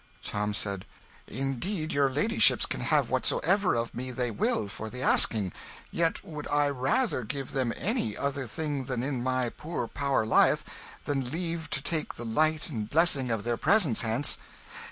Tom said "Indeed your ladyships can have whatsoever of me they will, for the asking; yet would I rather give them any other thing that in my poor power lieth, than leave to take the light and blessing of their presence hence.